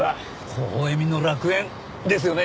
微笑みの楽園。ですよね？